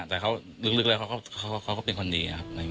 แต่เขาลึกเลยเขาก็เป็นคนดี